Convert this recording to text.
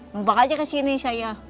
lompat aja ke sini saya